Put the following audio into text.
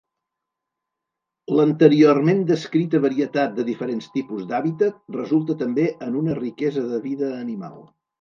L'anteriorment descrita varietat de diferents tipus d’hàbitat resulta també en una riquesa de vida animal.